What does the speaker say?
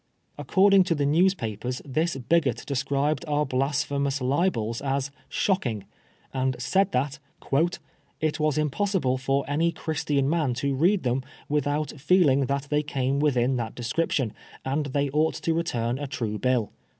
According to the newspapers this bigot described our blasphemous libels as " shocking," and said that " it was impossible for any Christian man to read them without feeling that they came within that description, and they ought to return a true bill."